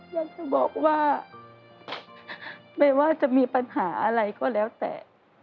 อยากจะบอกว่าไม่ว่าจะมีปัญหาอะไรก็แล้วแต่